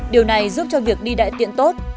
điều này giúp cho việc đi đại tiện tốt